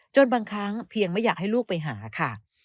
บางครั้งเพียงไม่อยากให้ลูกไปหาค่ะ